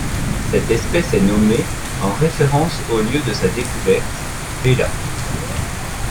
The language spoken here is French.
Cette espèce est nommée en référence au lieu de sa découverte, Tela.